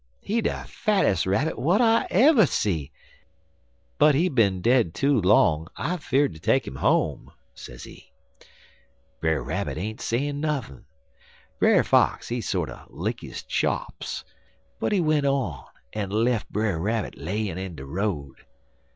He de fattes' rabbit w'at I ever see, but he bin dead too long. I feard ter take 'im home,' sezee. "Brer Rabbit ain't sayin' nuthin'. Brer Fox, he sorter lick his chops, but he went on en lef' Brer Rabbit layin' in de road.